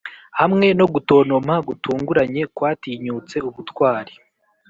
hamwe no gutontoma gutunguranye kwatinyutse ubutwari,